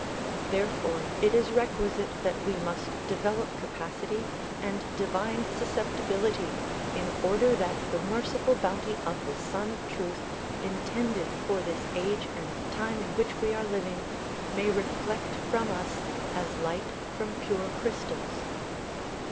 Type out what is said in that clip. Therefore it is requisite that we must develop capacity and divine suscepti bility in order that the merciful bounty of the Sun of Truth in tended for this age and time in which we are living may reflect from us as light from pure crystals.